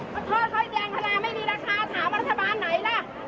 ขอโทษอย่างทราไม่มีราคาถามว่ารัฐบาลไหนล่ะ